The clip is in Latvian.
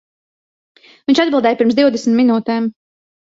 Viņš atbildēja pirms divdesmit minūtēm.